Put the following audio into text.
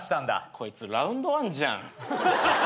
こいつラウンドワンじゃん。